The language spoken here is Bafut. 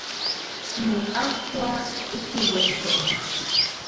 Ŋù a kwo aa tɨ̀ wɛʼɛ̀ ǹtɔ̀ʼɔ̀nə̀.